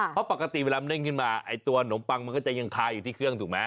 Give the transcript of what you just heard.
เพราะปกติเวลาเร่งขึ้นมาไอ้ตัวหนมปังมันก็จะยังคาอยู่ที่เครื่องถูกไหม